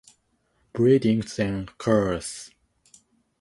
Breeding then occurs.